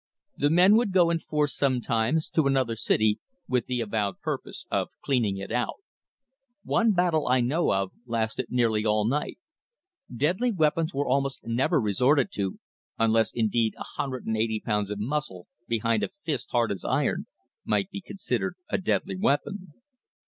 The men would go in force sometimes to another city with the avowed purpose of cleaning it out. One battle I know of lasted nearly all night. Deadly weapons were almost never resorted to, unless indeed a hundred and eighty pounds of muscle behind a fist hard as iron might be considered a deadly weapon.